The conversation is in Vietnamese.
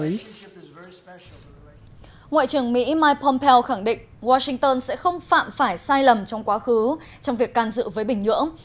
ngoại trưởng mỹ mike pompeo khẳng định washington sẽ không phạm phải sai lầm trong quá khứ trong việc can dự với bình nhưỡng